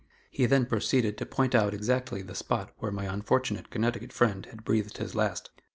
He then proceeded to point out exactly the spot where my unfortunate Connecticut friend had breathed his last.